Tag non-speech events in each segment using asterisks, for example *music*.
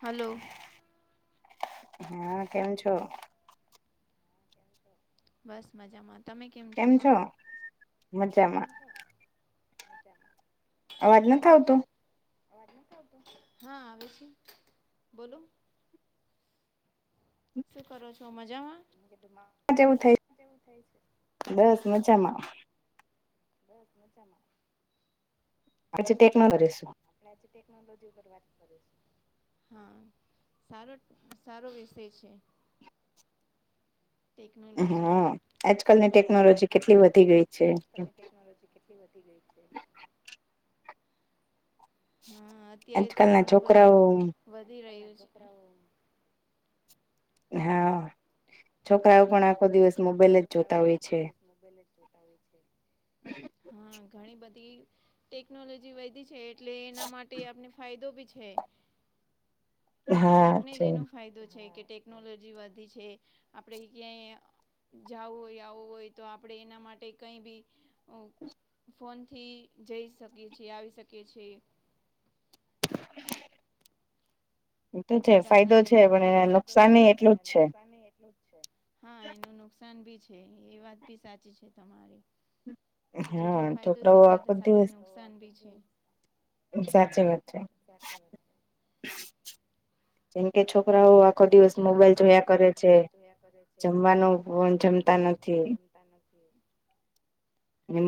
Hello હા કેમ છો? બસ મજામાં. તમે કેમ છો? મજામાં અવાજ નથી આવતો હા આવે છે બોલો શું કરો છો મજામાં *unintelligible* બસ મજામાં બસ મજામાં. આજે *unintelligible* આજે ટેકનોલોજી ઉપર વાત કરી શું હ સારો સારો વિષય છે. હા. આજકાલની ટેકનોલોજી કેટલી વધી ગઈ છે. કેટલી વધી ગઈ છે. હા. અત્યારે તો ઘણું બધું વધી રહ્યું છે. હા છોકરાઓ પણ આખો દિવસ મોબાઈલ જ જોતા હોય છે. હા ઘણી બધી ટેકનોલોજી વ્યધિ છે, એટલે એના માટે આપને ફાયદો બી છે. આપણે જ એનો ફાયદો છે, કે ટેકનોલોજી વધી છે. આપણે ક્યાંય જવું હોય આવું હોય, તો આપણે એના માટે કંઈ બી ફોનથી જઈ શકીએ છીએ આવી શકીએ છીએ. *inaudible* બધા સાથે વાત કરી *unintelligible* પણ નુકસાન ને એટલું જ હા એનું નુકસાન ભી છે એ વાત ભી સાચી છે તમારી કે જેટલો ફાયદો છે. સાથે સાથે નુકસાન ભી છે. સાચી વાત. જેમ કે છોકરાઓ આખો દિવસ મોબાઈલ જોયા કરે છે. જમવાનું જમવાનું પણ જમતા નથી.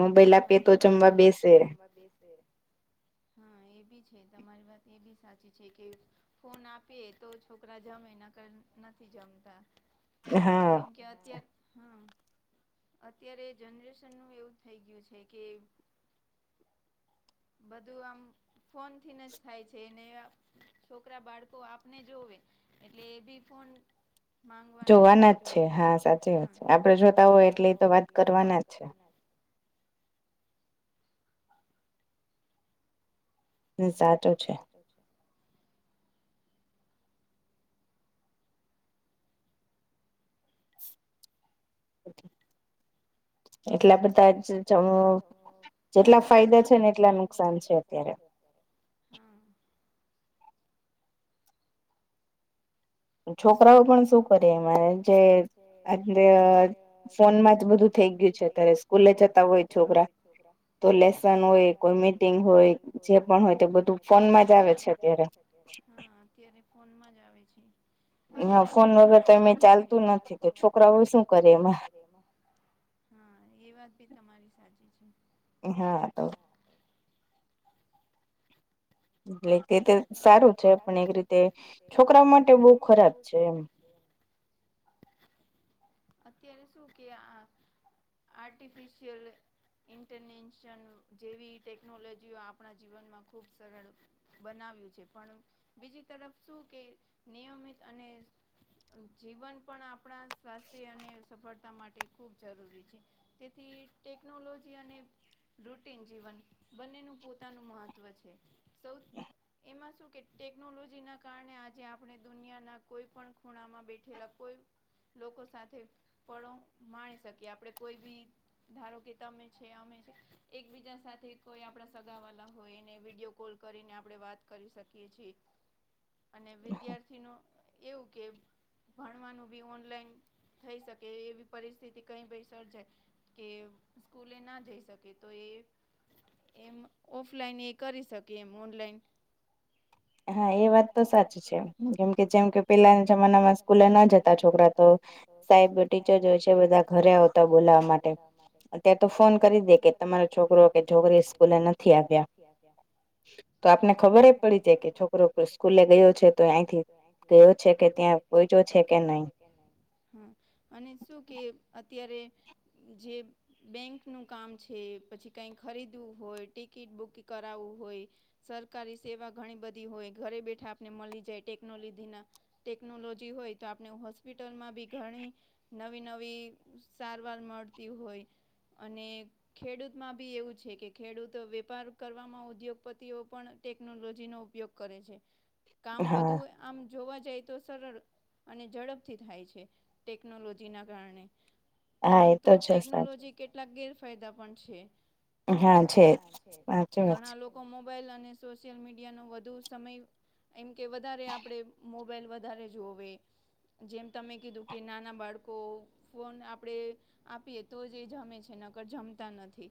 મોબાઈલ આપે તો જમવા બેસે બેસે. હા એ બી છે. તમારી વાત એ બી સાચી છે કે ફોન આપીએ તો છોકરા જમે નકર નથી જમતા. કેમ કે અત્યારે હા અત્યારે જનરેશન નું એવું થઈ ગયું છે કે *inaudible* બધું આમ ફોન થીને જ થાય છે ને છોકરા બાળકો આપને જોવે એટલે એ બી ફોન માંગવાના છે જોવાના જ છે હા સાચી વાત આપડે જોતા હોય એટલે વાત કરવાના જ. હા. ને સાચો છે. એટલા બધા જ જેટલા ફાયદા છે ને એટલા નુકસાન છે અત્યારે. હા. છોકરાઓ પણ શું કરે એ આપણને ફોનમાં જ બધું થઈ ગયુ છે સ્કૂલે જતા હોય છોકરા તો લેસન હોય કોઈ મીટિંગ હોય જે પણ હોય તે બધું ફોનમાં જ આવે છે અત્યારે. હા અત્યારે ફોનમાં જ આવે છે. બધું ફોનમાંજ થઈ ગયું છે ફોન વગર તે એને ચાલતું નથી છોકરા શું કરે એમાં હા એ વાત તમારી સાચી છે. હા તો એટલે તે સારું છે પણ એક રીતે છોકરા માટે બહુ ખરાબ છે એમ. અત્યારે શું કે આ આર્ટિફિશિયલ ઇન્ટરનેટ જેવી ટેકનોલોજીઓ આપણા જીવનમાં ખૂબ સરળ બનાવ્યું છે પણ બીજી તરફ શું કે નિયમિત અને જીવન પણ આપણા સ્વાસ્થ્ય તે અને સફળતા માટે ખૂબ જરૂરી છે તેથી ટેકનોલોજી અને રૂટિન જીવન બંનેનું પોતાનું મહત્વ છે. એમાં શું કે ટેકનોલોજીના કારણે આજે આપણે દુનિયાના કોઈ પણ ખૂણામાં બેઠેલા કોઈ લોકો સાથે તે પડો માણી શકીએ આપણે કોઈ બી ધારો કે તમે છે અમે છે એકબીજા સાથે કોઈ આપડા સગાવાલા હોય એને વિડીયો કોલ કરીને આપણે વાત કરી શકીએ છીએ. અને વિદ્યાર્થીનું એવું કે ભણવાનું પણ ઓનલાઈન થઈ શકે એવી પરિસ્થિતિ કઈ ભીઈ સર્જાય કે સ્કૂલે ના જઈ શકે તો એ એમ ઓફલાઈન એ કરી શકે એમ ઓનલાઈન હા એ વાત તો સાચી છે જેમ કે જેમ કે પેલાના જમાનામાં સ્કૂલે ના જતા છોકરા તો સાહેબ ટીચર જો હોય છે બધા ઘરે આવતા બોલાવા માટે અત્યારે તો ફોન કરી દે કે તે જઈ ને કે તમારા છોકરો કે છોકરી સ્કૂલે નથી આવ્યા. તો આપણને ખબર પડી જાય કે છોકરો સ્કૂલે ગયો છે તો ત્યાંથી ગયો છે કે ત્યાં પહોંચ્યો છે કે નહી. હા અને શું કે અત્યારે જે બેંકનું કામ છે પછી કાંઈ ખરીદવું હોય ટિકિટ બુક કરાવી હોય. સરકારી સેવા ઘણી બધી હોય ઘરે બેઠા આપણને મળી જાય ટેકનોલોજી ના ટેકનોલોજી હોય તો આપને હોસ્પિટલમાં પણ ઘણી નવી નવી સારવાર મળતી હોય અને ખેડૂતમાં પણ એવું છે કે ખેડૂત વેપાર કરવામાં ઉદ્યોગપતિઓ પણ ટેકનોલોજીનો ઉપયોગ કરે છે કામ વધુ આમ જોવા જાય તો સરળ અને ઝડપથી થાય છે ટેકનોલોજીના કારણે. પરંતુ ટેકનોલોજીના કેટલાક ગેરફાયદા પણ છે. ઘણા લોકો મોબાઈલ અને સોશિયલ મીડિયા નો વધુ સમય એમ કે વધારે આપણે મોબાઈલ વધારે જોઈએ. જેમ તમે કીધું કે નાના બાળકો ફોન આપણે આપીએ તો જ એ જમે છે નઈ તો જમતા નથી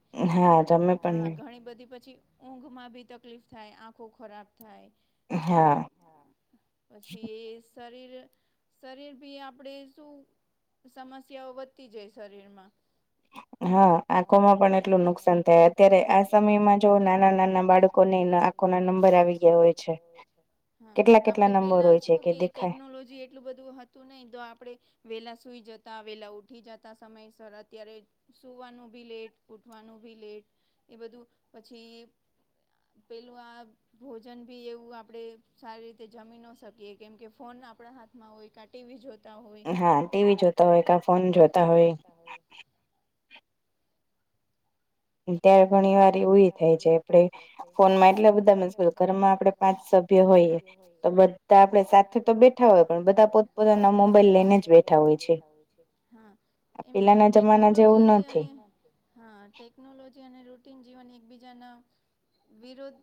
હા ઘણી બધી પછી ઊંઘમાં તકલીફ થાય આંખો ખરાબ થાય છે. હા પછી એ શરીર શરીર ભી આપણે શું સમસ્યાઓ વધતી જાય શરીરમાં હા આંખો માં પણ એટલું નુકસાન થાય અત્યારે આ સમયમાં જો નાના નાના બાળકોને આકોના નબર આપે પેલા શું કે ટેકનોલોજી એટલું બધું હતું નહ તો આપડણે વેલા સુઈ જતા વેલા ઉઠી જતા સમયસર અત્યારે સૂવાનું બી લેટ પૂઠવાનું બી લેટ એ બધું પછી પેલું આ ભોજન ભી એવું આપડે સારી રીતે જમી ન શકીએ કેમ કે ફોન આપણા હાથમાં હોય ટીવી જોતા હોય હા ટીવી જોતા હોય કા ફોન જોતા હોય ત્યારે ઘણી વાર એવ થાય છે આપડે ફોનમાં એટલે બધા મબ ઘરમાં આપડે પાંચબ સભ્ય હોય તો બધા આપડે સાથે તો બેઠા હોય પણ બધા પોતપોતાના મોબાઈલ લઈને જ બેઠા હોય હા એમ ટેકનોલોજી અને હા ટેકનોલોજી અને રૂટીન જીવન એકબીજાના વિરોધ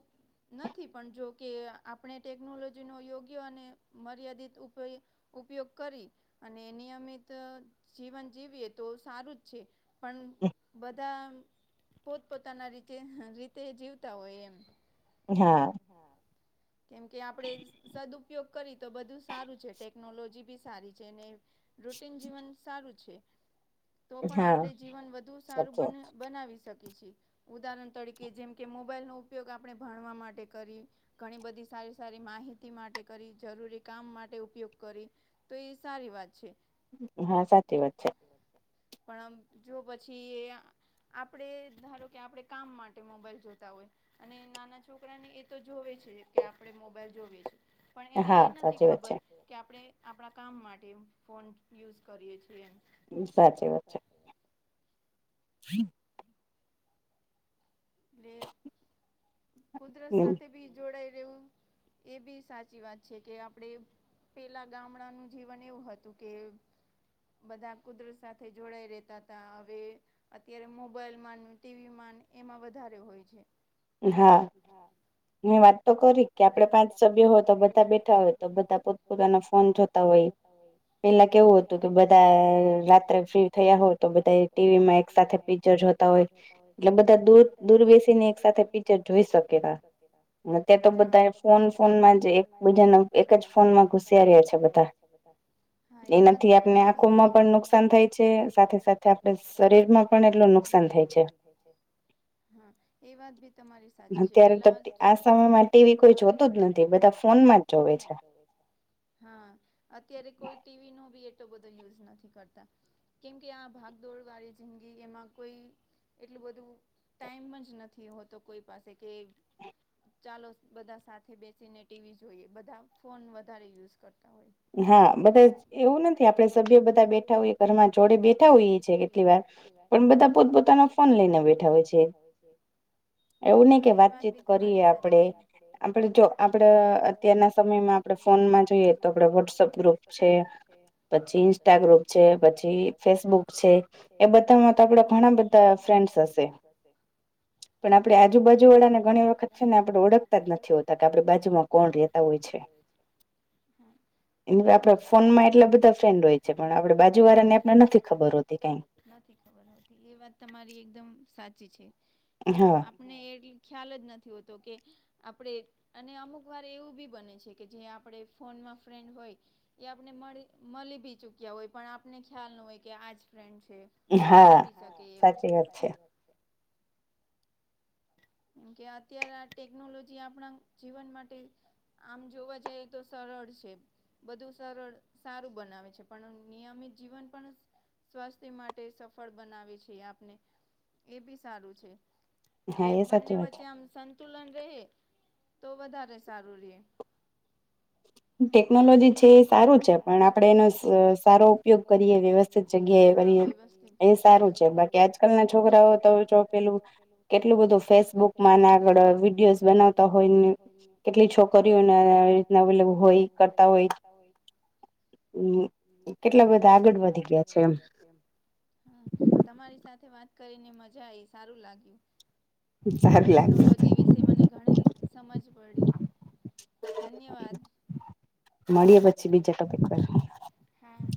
નથી પણ જોકે આપણે ટેકનોલોજીનો યોગ્ય અને મર્યાદિત ઉપયો ઉપયોગ કરી અને નિયમિત જીવન જીવીએ તો સારું જ છે પણ બધા પોતપોતાના રીતે રીતે જીવતા હોય એમ હા હા કેમ કે આપડણે સદઉપયોગ કરી તો બધું સારું છે ટેકનોલોજી બી સારી છે રૂટન જીવન સારું છે તો પણ આપણે જીવન વધુ સારું બ બનાવી શકીએ ઉદાહરણ તરીકે જેમકે મોબાઈલ નો ઉપયોગ આપણે ભણવા માટે કરી ઘણી બધી સારી સારી માહિતી માટે કરી જરૂરી કામ માટે ઉપયોગ કરી તો એ સારી વાત છે પણ જો પછી એ આપણે ધારો કે આપણે કામ માટે મોબાઈલ જોતા હોય અને નાના છોકરાને તો જોવે છે કે આપડે મોબાઈલ જોવે છે પણ એને એ નથી ખબર કે આપણે આપણા કામ માટે ફોન યુઝ કરીએ છીએ એમ સાચી વાત છે *inaudible* એ કુદરત સાથે બી જોડાઈ રહવું એ બી સાચી વાત છે કે આપણે પેલા ગામડાનું જીવન એવું હતું કે બધા કુદરત સાથે જોડાઈ રહેતા હતા હવે અત્યારે મોબાઈલમા ન ટીવીમાંન એમાં વધારે હોય છે હા હ વાત તો કરી કે આપે પાંચ સભ્યો હોય તો બધા બેઠા હોય તો બધા પોતપોતાના ફોન જોતા હોય પેલા કેવું હતું કે બધા રાત્રે ફ્રી થયા હો તો બધા ટીવી માં એક સાથે પિક્ચરો જોતા હોય એટલે બધા દર દૂર બેસીને એક સાથે પિકચર *unintelligible* હા એ તો બધા ફોન ફોનમાં જ એક બજાના એક જ ફોનમાં ધૂસિયા રે છે બધા હા એ વાત બી તમારી સાચી આંખોમાં પણ નુકસાન થાય છે સાથે સાથે આપ શરીર માં પણ એટલું નુક હા એ વાત ભી તમારી સાચી છે પેલા આ સમયમાં કોઈ જોતું જ નથી બધા ફોનમાં જ જોવે છે હા અત્યારે કોઈ ટીવી નો બી એટલો બધો યુઝ નથી કરતા કેમ કે આ ભાગદોડ વાળી જિંદગી એમાં કોઈ એટલું બધું ટાઈમ જ નથી હોતો કોઈ પાસે કે ચાલો બધા સાથે બેસીને ટીવી જોઈએ બધા ફોન વધારે યુઝ કરતા હોય હા બધા એવું નથી આપડે સભ્ય બધા બેઠા હોઈએ ઘરમાં જોડે બેઠા હોય એ છે કેટલી વાર એમ બધા પોતપોતાનો ફોન લઈને બેઠા હોય છે એવું નઈ કે વાતચીત કરીએ આપ આપડ જો આપડ અત્યારના સમયમાં આપણે ફોનમાં જોઈએ જોઈએ તો આપણે વોટ્સઅપ ગ્રુપ છે પછી ઇન્સ્ટાગ્રુપ છે પછી ફેસબુક છે એ બધામાં તો આપડા ઘણા બધા ફ્રેન્ડ સાથે પણ આપણે આજુબાજુ વાળાને ઘણી વખત છે ને આપણે ઓળખતા જ નથી હોતા કે આપડણે બાજુમાં કોણ રહેેતા હોય છે હા એ આપડા ફોન માં એટલા બધા ફ્રેન્ડ હોય છે પણ આપડે બાજુ વાળા ને આપને નથી ખબર હોતી કઈ નથી ખબર હોતી એ વાત તમારી એકદમ સાચી છે હા આપને એટ ખ્યાલ જ નથી હોતો કે આપણે અને અમુક વાર એવું બી બને છે કે જે આપણે ફોનમાં ફ્રેન્ડ હોય એ આપણે મળ મળી બી ચૂક્યા હોય પણ આપને ખ્યાલ ન હોય કે આ જ ફ્રેન્ડ છે બની ભી શકે એવું કેમ કે અત્યારે આ ટેકનોલોજી આપણા જીવન માટે આમ જોવા જઈએ તો સરળ છે બધું સરળ સારું બનાવે છે પણ નિયમિત જીવન પણ સ્વાસ્થ્ય માટે સફળ બનાવે છે આપને એ બી સારું છે હા એ સાચી વાત છે સંતુલન રહે તો વધારે સારું રે ટેકનોલોજી છે એ સારું છે પણ આપડે એનો સારો ઉપયોગ કરીએ વ્યવસ્થિત જગ્યા એ કરી એ સારું છે બાકી આજકાલ ના છોકરાઓ તો જો પેલું કેટ એટલું બધું ફેસબુક માંને આગળ વિડીયોઝ બનાવતા હોય કેટલી છોકરીઓને આવી રીતના અવેલેબ હોય કરતા હોય હમ્મ કેટલા બધા આગળ વધી ગયા છે એમ હા તમારી સાથે વાત કરીને મજા એ સારું લાગ્યું ટેકનોલોજી વિશે મને ઘણી સમજ પડી ધન્યવાદ મળીએ પછી બીજા ટોપિક પર હા